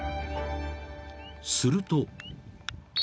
［すると］